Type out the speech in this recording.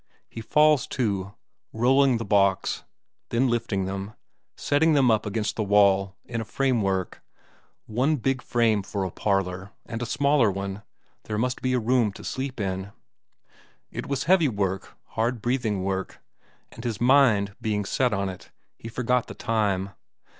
He falls to, rolling the baulks, then lifting them, setting them up against the wall in a framework; one big frame for a parlour, and a smaller one there must be a room to sleep in. It was heavy work, hard breathing work, and his mind being set on it, he forgot the time.